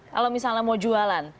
kalau misalnya mau jualan